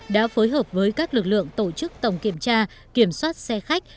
đã phối hợp với các lực lượng tổ chức tổng kiểm tra kiểm soát xe khách